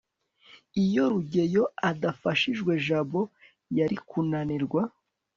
iyo rugeyo adafashijwe, jabo yari kunanirwa